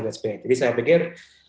jadi saya pikir